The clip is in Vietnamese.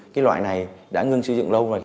cái loại này đã ngưng sử dụng lâu rồi